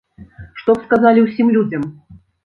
Што б сказалі ўсім людзям?